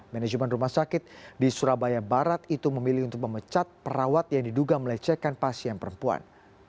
manajemen rumah sakit di surabaya barat itu memilih untuk memecat perawat yang diduga melecehkan pasien perempuan